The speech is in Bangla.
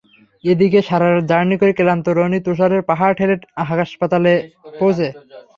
এদিকে সারা রাত জার্নি করে ক্লান্ত রনি তুষারের পাহাড় ঠেলে হাসপাতালে পৌঁছে।